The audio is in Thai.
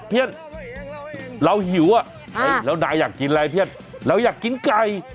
เพื่อนเราหิวอ่ะแล้วนายอยากกินอะไรเพี้ยนเราอยากกินไก่